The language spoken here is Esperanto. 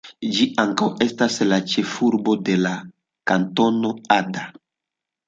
Ĝi ankaŭ estas la ĉefurbo de la Kantono Ada.